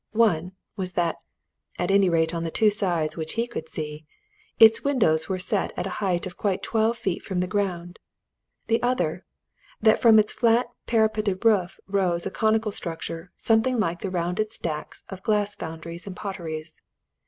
One, was that at any rate on the two sides which he could see its windows were set at a height of quite twelve feet from the ground: the other, that from its flat parapeted roof rose a conical structure something like the rounded stacks of glass foundries and potteries.